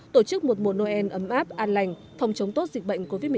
tổ chức một mùa noel ấm áp an lành phòng chống tốt dịch bệnh covid một mươi chín